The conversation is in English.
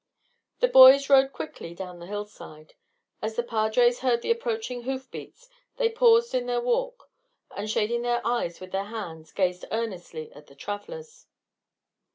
The boys rode quickly down the hillside. As the padres heard the approaching hoof beats they paused in their walk, and shading their eyes with their hands gazed earnestly at the travellers.